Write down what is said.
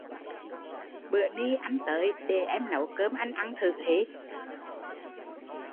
Bữa ni anh tới để em nấu cơm anh ăn thử